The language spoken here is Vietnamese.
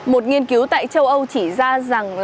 một nghiên cứu tại châu âu chỉ ra rằng